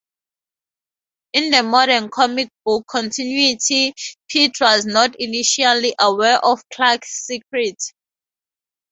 In the modern comic book continuity, Pete was not initially aware of Clark's secret.